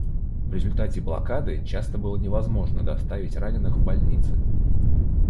В результате блокады часто было невозможно доставить раненых в больницы.